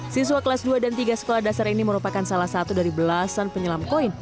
siswa kelas dua dan tiga sekolah dasar ini merupakan salah satu dari belasan penyelam koin